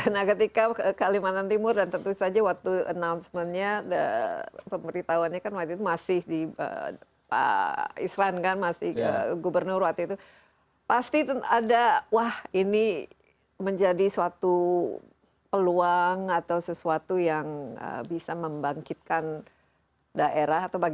nah ketika kalimantan timur dan tentu saja waktu announcement nya pemerintahannya kan waktu itu masih di pak isran kan masih gubernur waktu itu pasti ada wah ini menjadi suatu peluang atau sesuatu yang bisa membangkitkan daerah atau bangsa